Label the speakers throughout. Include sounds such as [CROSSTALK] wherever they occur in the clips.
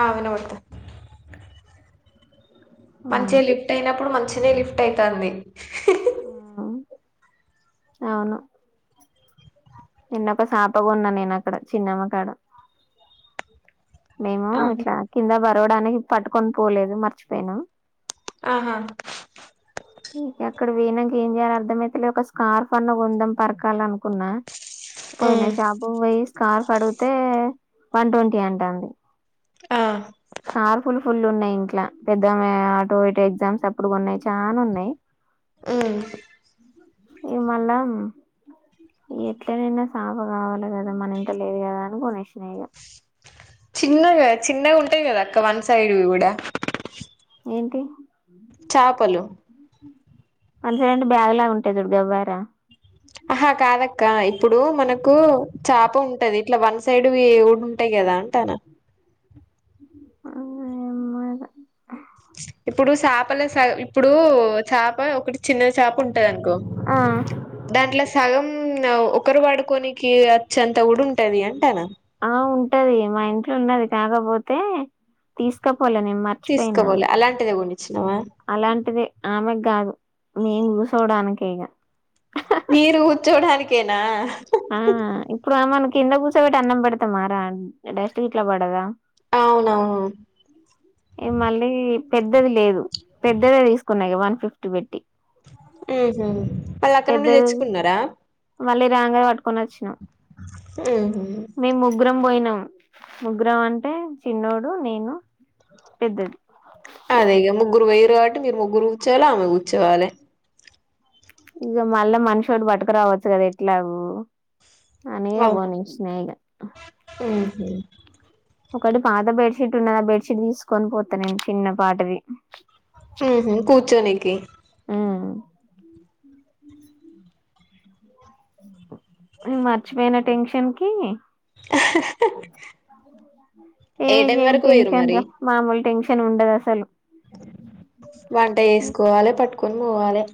Speaker 1: ఆ వినబడతా మంచిగా లిఫ్ట్ అయినప్పుడు మంచిిన లిఫ్ట్ అయితంది
Speaker 2: ఆ అవును నిన్న ఒక చాప కొన్న నేను అక్కడ చిన్నమ్మ కాడ మేము ఇట్లా కింద బరువడానికి పట్టుకొని పోలేదు మర్చిపోయానం
Speaker 1: ఆహా
Speaker 2: ఇక అక్కడ వీనాక ఏం చేయాలి అర్ధమైతులే ఒక స్కార్ఫ్ అన్న కొందాం పరకాల అనుకున్నా పోయిన
Speaker 1: ఉమ్
Speaker 2: షాప్ కు పోయ్ స్కార్ఫ్ అడిగితే వన్ ట్వంటీ అంటంది
Speaker 1: ఆ
Speaker 2: స్కార్ఫులు ఫుల్ ఉన్నాయి ఇంట్లా పెద్దగానే ఆటో ఇటో ఎగ్జామ్స్ అప్పుడు కోన్నాయ్ చానున్నాయ్
Speaker 1: మ్
Speaker 2: ఇగ మాళ్ళం ఇగ ఎట్లనైనా సాఫ కావాలి కదా మన ఇంట్ల లేదు కదా అని కోనేసినిగా
Speaker 1: చిన్నగా చిన్నగా ఉంటాయ్ కదా అక్క వన్ సైడ్వి కూడా
Speaker 2: ఏంటియి
Speaker 1: చాపలు
Speaker 2: వన్ సైడ్ అంటే బ్యాగ్ లా గుంటై చుడుగవ్వారా
Speaker 1: ఆహా కాదక్క ఇప్పుడు మనకు చాప ఉంటది ఇట్లా వన్ సైడ్ వి కూడ ఉంటాయ్ క దా ఉంటాన
Speaker 2: అ ఎమ్మో ఇగ
Speaker 1: ఇప్పుడు చాపల సగ్ ఇప్పుడు చేప ఒకటి చిన్న చాప ఉంటుందనుకో
Speaker 2: ఆ
Speaker 1: దాంట్ల సగం న ఒకరు వాడుకోనికి అచ్చేంత కూడ ఉంటది అంటనా
Speaker 2: ఆ ఉంటది మా ఇంట్లో ఉన్నది కాకపోతే తీసుక పోలె నేను మర్చిపోయిన
Speaker 1: తీసుకోవాలి అలాంటిదే కొనిచ్చినావా
Speaker 2: అలాంటిదే ఆమెకు కాదు మేము కూసోడాకే ఇగ
Speaker 1: మీరు కూర్చోడానికేనా
Speaker 2: ఆ ఇప్పుడు ఆమె ను కింద కుసబెట్టి అన్నం పెడుతా మారా డస్ట్ గిట్లా పడదా
Speaker 1: అవునవును
Speaker 2: ఇగ మళ్ళీ పెద్దది లేదు పెద్దదే తీసుకున్నా ఇగ వన్ ఫిఫ్టీ పెట్టి
Speaker 1: మ్ హు వాళ్ళు అక్క నుండి
Speaker 2: పెద్దది
Speaker 1: తెచ్చుకున్నారా
Speaker 2: మళ్ళీ రాంగానే పట్టుకోనోచ్చినం
Speaker 1: మ్ హు
Speaker 2: ముగ్రం పోయినాం ముగ్రం అంటే చిన్నోడు నేను పెద్దది
Speaker 1: అదే ఇగా ముగ్గురు పోయిండ్రు కాబట్టి మీరు ముగ్గురు కూర్చోవాలే ఆమె కూర్చోవాలే
Speaker 2: ఇగ మళ్ళా మనిషోటి పట్టుక రావచ్చు కదా ఎట్లాగు అనే ఇగ కోనిచ్చిన ఇగ
Speaker 1: మ్
Speaker 2: ఒకటి పాత బెడ్ షీట్ ఉన్నది ఆ బెడ్ షీట్ తీసుకొని పోతా నేను చిన్న పాటిది
Speaker 1: మ్ హు కూర్చోనికి
Speaker 2: మ్ నిన్ మర్చిపోయిన టెన్షన్ కి ఏ
Speaker 1: టైం
Speaker 2: ఏం
Speaker 1: వరకు పోయిర్రు
Speaker 2: టెన్షన్
Speaker 1: మరి
Speaker 2: రా మామూలు టెన్షన్ ఉండదు అసలు
Speaker 1: వంట చేసుకోవాలే పట్టుకొని పోవాలే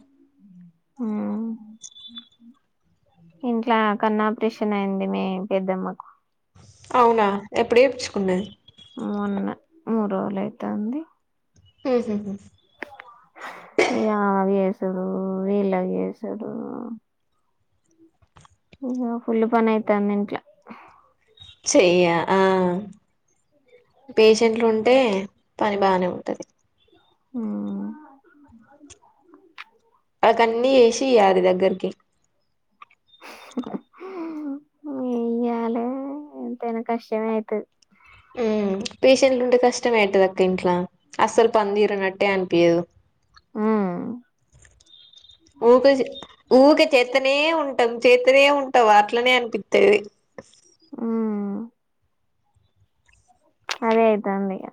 Speaker 2: ఆ ఇంట్ల కన్ ఆపరేషన్ అయింది మీ పెద్దమ్మకు
Speaker 1: అవునా ఎప్పుడు చేపిచుకున్నది
Speaker 2: మొన్న మూడు రోజులు అయితాంది
Speaker 1: మ్ హు హు
Speaker 2: ఇగ అవి చేసుడు వీళ్ళక్ చేసుడు ఇగ ఫుల్ పని అయితాంది ఇంట్ల
Speaker 1: చెయ్య ఆ పేషెంట్లు ఉంటే పని బాగానే ఉంటది
Speaker 2: అ
Speaker 1: వాళ్లకు అన్ని ఏసియాలి దగ్గరికి
Speaker 2: ఏయ్యాలే ఎంతైనా కష్టమైతది
Speaker 1: ఉ పేషెంట్లు ఉంటే కష్టమే అయితది అక్క ఇంట్లా అస్సలు పని తిరినట్టే అనిపియ్యదు
Speaker 2: ఆ
Speaker 1: ఊక జీ ఊకే చేతనే వున్ టం చేతనే ఉంటావ్ అట్లనే అనిపిత్తది
Speaker 2: ఉమ్ అదే అయితాంది ఇగ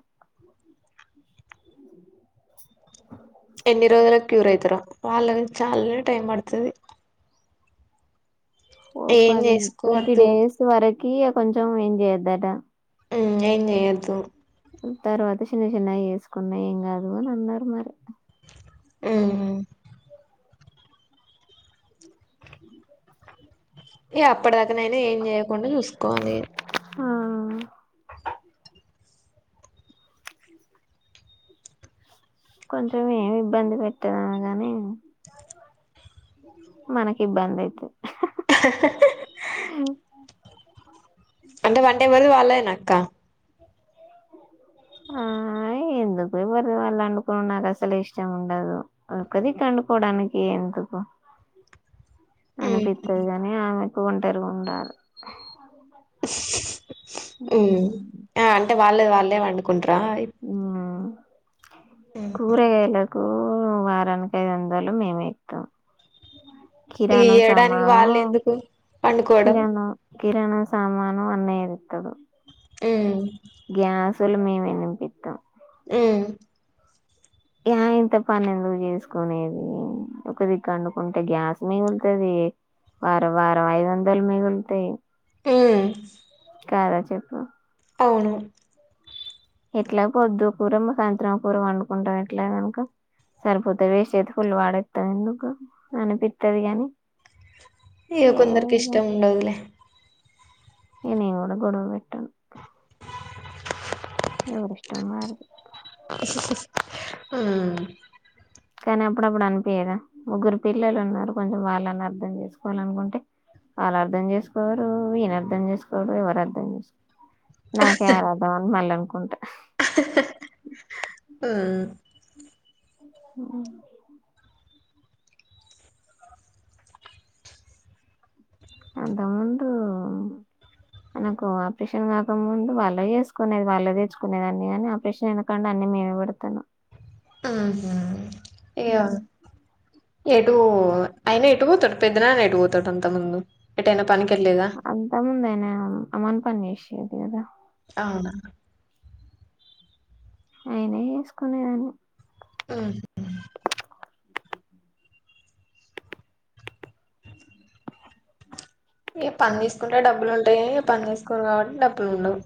Speaker 1: తురా వాళ్ళ వే చాలా టైం పడతది
Speaker 2: ఓ
Speaker 1: ఏం
Speaker 2: పది ట్వంటీ
Speaker 1: చేసుకోవద్దు
Speaker 2: డేస్ వరకి కొంచెం ఏం చెయ్యొద్దట
Speaker 1: ఉ ఏం చేయొద్దు
Speaker 2: ఉ తర్వాత చిన్నగా చిన్నగా వేసుకున్నా ఏం కాదు అని అన్నారు మరి
Speaker 1: ఉహు ఏ అప్పటి దాకానైనా ఏం చేయకుండా చూసుకోవాలి
Speaker 2: అవు కొంచెం ఏమి ఇబ్బంది పెట్టదు ఆమె గాని మనకి ఇబ్బంది అయితది
Speaker 1: అహహా
Speaker 2: ఓకే వంటలు
Speaker 1: అంటే వంట ఎవ్వలిది వాళ్ళేనక్క
Speaker 2: ఆ నే ఎందుకు ఎవరిది వాళ్ళు అండుకోవడం నాకు అసలు ఇష్టం ఉండదు ఒక దిక్కు వండుకోవడానికి ఎంద్ అందుకు అనిపిత్తది కాని ఆమెకు ఒంటరి గా ఉండాలే
Speaker 1: ఉ ఆ అంటే వాళ్ళేది వాళ్ళే వండుకుంటార అయిపు
Speaker 2: మ్మ్ కూరగాయలకు వారానికి ఐదు వందలు మేమే ఇస్తాం
Speaker 1: ఈ
Speaker 2: కిరాణం
Speaker 1: ఇయ్యడానికి
Speaker 2: సామాను
Speaker 1: వాళ్ళు ఎందుకు పండుకోవడం
Speaker 2: కిరాణం కిరాణం సామాను అన్నయ్య తెస్తాడు
Speaker 1: ఉ
Speaker 2: గ్యాస్ లు మేమే నింపిస్తాం
Speaker 1: ఊ
Speaker 2: ఇగ అయింతా పని ఎందుకు చేసుకునేది ఒకదిక్కు వండుకుంటే గ్యాస్ మిగులుతది వారం వారం ఐదు వందలు మిగులుతాయి
Speaker 1: టే
Speaker 2: కదా చెప్పు
Speaker 1: అవును
Speaker 2: ఎట్లా పొద్దు కూర మా సాయంత్రం కూర వండుకుంటాం ఎట్లా కనుక సరిపోతా వేస్ట్ అయితే ఫుల్ వాడేస్తాం ఎందుకు అనిపిస్తుది గాని
Speaker 1: ఇగ
Speaker 2: ఏ
Speaker 1: కొందరికి ఇష్టం ఉండదులే
Speaker 2: ఇగ నేను కూడా గొడవ పెట్టను ఎవరి ఇష్టం వారిది
Speaker 1: ఆ
Speaker 2: కానీ అప్పుడప్పుడు అనిపియదా ముగ్గురు పిల్లలు ఉన్నారు కొంచెం వాళ్ళని అర్థం చేసుకోవాల అనుకుంటే వాళ్ళు అర్థం చేసుకోవరు ఈయన అర్థం చేసుకోవరు ఎవరు అర్థం చేసు నాకే ఆరాటం యా అని మళ్ళీ అనుకుంట
Speaker 1: ఉం
Speaker 2: ఉ అంత ముందు నాకు ఆపరేషన్ కాకముందు వాల్ల చేసుకునేది వాల్ల తెచ్చుకునే దాన్ని గాని ఆపరేషన్ అయిన కాని అన్ని మీద పడతను
Speaker 1: మ్ హు ఎటూ అయిన ఎటు పోతాడు పెద్దన్నాన ఎటు పోతాడు అంత ముందు ఎటైనా పనికెళ్ళేదా
Speaker 2: అంతా ముందాయన అమాను పని జేసాడు కద
Speaker 1: అవునా
Speaker 2: అయినా చేసుకునేదాన్ని
Speaker 1: మ్ హు ఏ పని చేసుకుంటే డబ్బులు ఉంటాయి గాని పన్ జేసుకోరు కాబట్టి డబ్బులు ఉండవు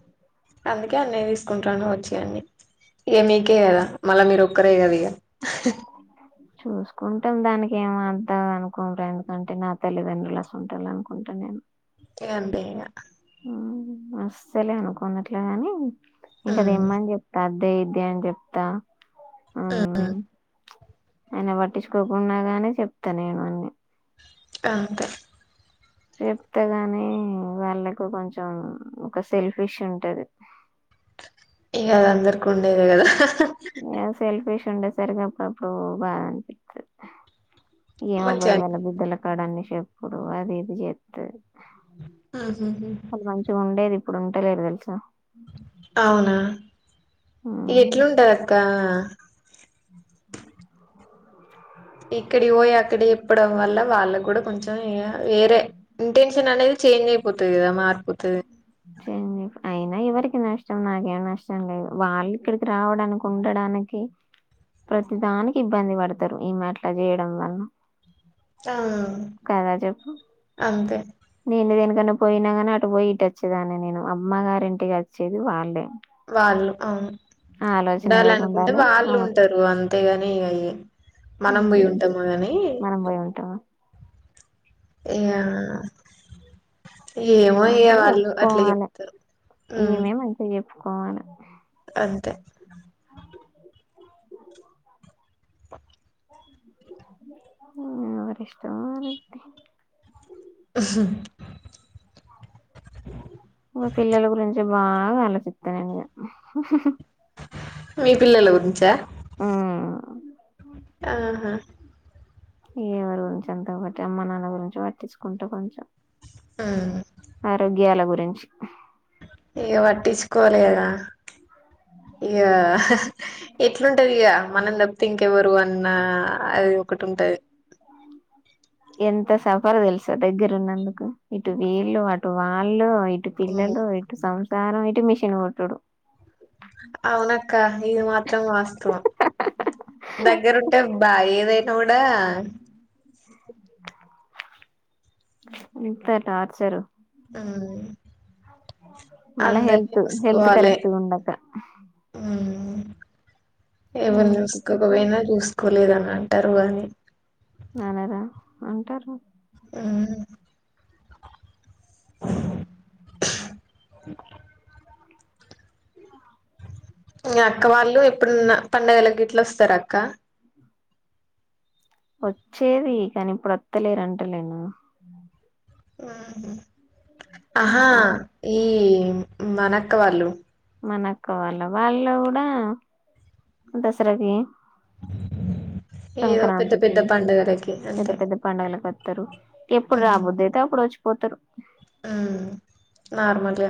Speaker 1: అందుకే అన్నయ్య తీసుకుంటాను వచ్చి అన్ని ఎ మీకే కదా మళ్ళ మీరు ఒక్కరే కద ఇగ
Speaker 2: [INAUDIBLE] చూసుకుంటాం దానికి ఏం అద్దా అనుకుంటా ఎందుకంటే నా తల్లిదండ్రుల వసుంటోళ్ళే అనుకుంటా నేను
Speaker 1: ఇగ అంతే ఇగ
Speaker 2: అస్సలే అనుకోను అట్లగాని ఇంక అది
Speaker 1: ఉమ్
Speaker 2: ఇమ్మని చెప్తా దే ఇది అని జేప్తా
Speaker 1: మ్
Speaker 2: ఆయన పట్టించుకోకుండా గానీ చెప్తా నేను అన్ని
Speaker 1: అంతే
Speaker 2: చెప్త గాని వాళ్ళకు కొంచెం ఒక సెల్ఫిష్ ఉంటది
Speaker 1: గది అందరికీ ఉండేదే కదా
Speaker 2: ఏ సెల్ఫీష్ ఉండేసరికి అప్పుడుప్పుడు బాధ అనిపిత్తది ఏమ్
Speaker 1: మంచిగా
Speaker 2: అబ్బాయి
Speaker 1: అనిపి
Speaker 2: వాళ్ళ బిడ్డల కాడ అన్ని చెపుడు అది ఇది జేత్తతి
Speaker 1: ఉహుహు
Speaker 2: అది మంచిగా ఉండేది ఇప్పుడు ఉంటలేరు తెలుసా మ్మ్
Speaker 1: ఎట్ల ఉంటది అక్క
Speaker 2: [INAUDIBLE]
Speaker 1: ఇక్కడి ఓయి అక్కడ చెప్పడం వల్ల వాళ్ళ కూడా కొంచెం వేరే ఇంటెన్షన్ అనేది చేంజ్ అయిపోతది కదా మ
Speaker 2: చెంజ్ అయిపో అయినా ఎవరికి నష్టం నాకేం నష్టం లేదు వాళ్ళు ఇక్కడికి రావడానికి ఉండడానికి ప్రతి దానికి ఇబ్బంది పడతారు ఈమె అట్ల చేయడం వల్ల
Speaker 1: ఆ
Speaker 2: కదా చెప్పు
Speaker 1: అంతే
Speaker 2: నేను దేనికన్నా పోయినా కానీ అటు పోయి ఇటు వచ్చేదాన్ని నేను అమ్మ గారి ఇంటికి వచ్చేది వాళ్ళే
Speaker 1: వాళ్ళు అవును
Speaker 2: ఆ ఆలోచన ఎవరికి
Speaker 1: ఉండాలనుకుంటే
Speaker 2: ఉండాలి
Speaker 1: వాళ్ళు
Speaker 2: ఆమె
Speaker 1: ఉంటారు అ తేగాని ఇక మనం బోయి
Speaker 2: ఉమ్
Speaker 1: ఉంటామ గాని
Speaker 2: మనం పోయి ఉంటామా
Speaker 1: ఇగ ఆ
Speaker 2: మంచిగా
Speaker 1: అట్లా
Speaker 2: చెప్పుకోవాలి
Speaker 1: చెప్తారు ఉమ్
Speaker 2: ఈమె మంచిగా చెప్పుకోవాలి
Speaker 1: అంతే
Speaker 2: ఎవరి ఇష్టం వాళ్ళది మా పిల్లల గురించి బాగా ఆలోచిత్తను ఇంగ
Speaker 1: మీ పిల్లల గురించా
Speaker 2: మ్
Speaker 1: ఆహా
Speaker 2: ఎవరి గురించి అంత పట్ట అమ్మ నాన్న గురించి పట్టించుకుంట కొంచెం ఆరోగ్యాల గురించి
Speaker 1: ఇక వట్టించ్చుకోలేర ఇగ ఎట్లుంటది ఇగ మనం దబ్ తింక ఎవరు అన్న అది ఒకటి ఉంటది
Speaker 2: ఆ ఎంత సఫర్ తెలుసా దగ్గరు ఉన్నందుకు ఇటు వీళ్ళు అటు వాళ్ళు వటి
Speaker 1: ఉమ్.
Speaker 2: పల్లలు వ సంసారం మిషీన్ పోట్డు
Speaker 1: అ ఇది మాత్రం వాస్తవం దగ్గరుంటే బాగా ఏదైనా కూడా
Speaker 2: ఇంత టార్చరు
Speaker 1: ఆ
Speaker 2: మళ్ళా
Speaker 1: అందరి
Speaker 2: హెల్త్ హెల్త్
Speaker 1: చూసుకోవాలి
Speaker 2: కరెక్ట్గా ఉండక
Speaker 1: ఏవరు
Speaker 2: అన్నిటికీ
Speaker 1: చూసుకోకపోయినా చూసుకోలేదని అంటారు కానీ
Speaker 2: నాన్నద అంటారు
Speaker 1: ఆ
Speaker 2: ఆ
Speaker 1: అక్క వాళ్ళు ఎప్పుడున్న పడుగల గ ఇట్లా వస్తారు అక్క
Speaker 2: వచ్చేది కానీ ఇప్పుడు వత్తలేరంటలేను
Speaker 1: ఆహా ఈ మనక్క వాళ్ళు
Speaker 2: మనకువళ వాళ్ళు కూడా దసరాకి
Speaker 1: ఏదో పెద్ద
Speaker 2: సంక్రాంతకి
Speaker 1: పెద్ద పండుగలకి
Speaker 2: పెద్ద
Speaker 1: అంతే
Speaker 2: పెద్ద పండవిలు ప ారు ఎప్పుడు రాబోద్దు అయితే అప్పుడు వచ్చిపోతారు
Speaker 1: నార్మల్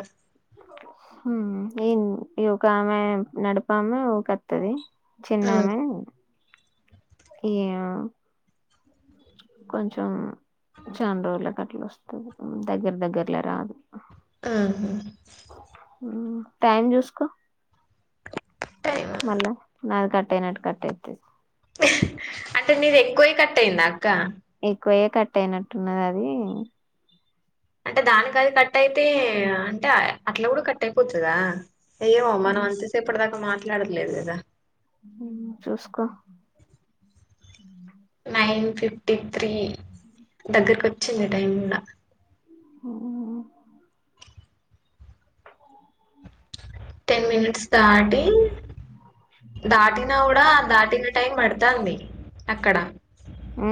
Speaker 2: ఈ ఒక ఆమె నడపమె ఒకతుది
Speaker 1: మ్మ్
Speaker 2: చిన్నామే ఏయా కొంచెం చాండ రోలకట్లు వస్త దగ్గర దగ్గర్ల రా అదు
Speaker 1: ఆహా
Speaker 2: టైం చూసుకో
Speaker 1: టైం
Speaker 2: మళ్ళ నా కట్ట అయినట్టు కట్ట అయితుది
Speaker 1: అంటే నీది ఎక్కువే కట్ట అయింద అక్క
Speaker 2: ఎక్కువయ కట్ అయినట్టున్నది అది
Speaker 1: అంటే దానికా అది కట్ అయితే అంటే అట్లా కూడా కట్ అయిపోతుందా అయ్యమో మనం
Speaker 2: హ్మ్.
Speaker 1: అంతేసి ఇప్పటిదాకా మాట్లాడట్లేదు కదా
Speaker 2: చూసుకో
Speaker 1: నైన్ ఫిఫ్టీ త్రీ దగ్గరకు వచ్చింది టైం కూడా
Speaker 2: ఆ
Speaker 1: టెన్ మినిట్స్ స్టార్టింగ్ దాటినా కూడా దాటిన టైం పడతంది అక్కడ
Speaker 2: ఆ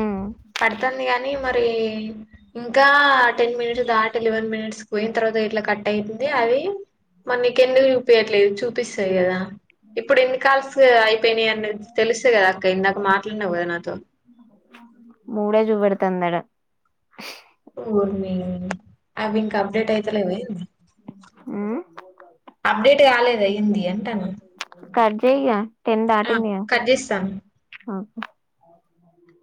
Speaker 1: పడుతుంది కాగానీ మరి ఇంకా టెన్ మినిట్స్ దాట్ ఎలివెన్ మినిట్స్ పోయిన తర్వాత ఇట్లా కట్ అయింది అది మనీ క ఎన్నికు చూపయట్లేదు చూ ప్పిసయదా ఇప్పుడు ఎన్ని కాల్స్ అయిపోయినాయి అన్న తెలుసే కదా అక్క ఇందాక మాట్లాడినవు కదా నాతో
Speaker 2: మూడే చూపడుతుందాడు
Speaker 1: గుర్నింగ్ అవి ఇంకా అప్డేట్ అవుతలేవ
Speaker 2: హ్మ్
Speaker 1: అప్డేట్ కాలేదు అయ్యింది అంటాను
Speaker 2: చేయ టెన్ ఆటం
Speaker 1: చేస్తాను